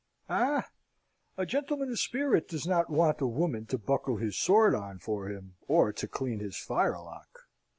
"Eh! A gentleman of spirit does not want a woman to buckle his sword on for him or to clean his firelock!